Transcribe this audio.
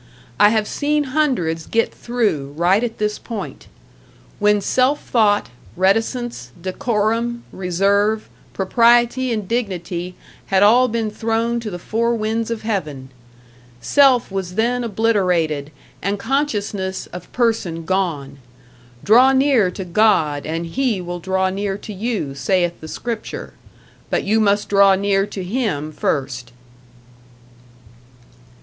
I have seen hundreds get through right at this point. When #self thought, reticence, decorum, reserve, propriety and dignity# had all been thrown to the four winds of heaven. Self was then obliterated and consciousness of person gone. Draw near to God and He will draw near to you saith the scripture, but you must draw near to Him first.